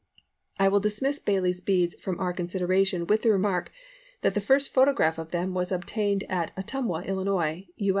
I will dismiss Baily's Beads from our consideration with the remark that the first photograph of them was obtained at Ottumwa, Illinois, U.